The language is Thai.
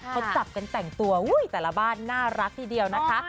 เขาจับกันแต่งตัวแต่ละบ้านน่ารักทีเดียวนะคะ